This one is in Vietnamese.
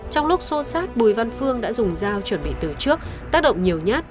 trong lúc xô xát bùi văn phương đã dùng dao chuẩn bị từ trước tác động nhiều nhát